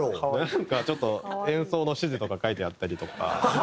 なんかちょっと演奏の指示とか書いてあったりとか。